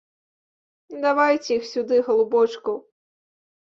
Давайце іх сюды, галубочкаў!